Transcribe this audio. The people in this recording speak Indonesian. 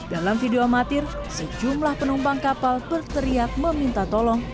dalam video amatir sejumlah penumpang kapal berteriak meminta tolong